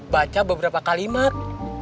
baca beberapa kalimat